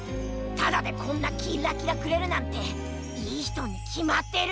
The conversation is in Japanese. ただでこんなキッラキラくれるなんていいひとにきまってる。